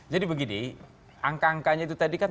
jadi begini angka angkanya itu tadi kan